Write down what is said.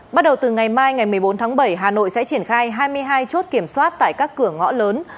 bắt đầu từ ngày mai ngày một mươi bốn tháng bảy hà nội sẽ triển khai hai mươi hai chốt kiểm soát tại các cửa ngõ lớn